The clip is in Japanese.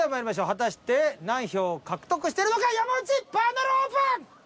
果たして何票獲得してるのか山内パネルオープン！